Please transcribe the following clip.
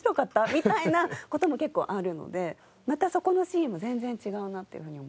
みたいな事も結構あるのでまたそこのシーンも全然違うなっていうふうに。